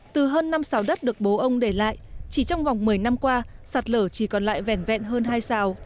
từ hơn năm sảo đất được bố ông để lại chỉ trong vòng một mươi năm qua sạt lở chỉ còn lại vẹn vẹn hơn hai sảo